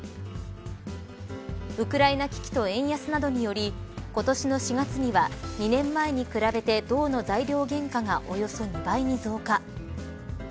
ウクライナ危機と円安などにより今年の４月には２年前に比べて銅の材料原価がおよそ２倍に増加。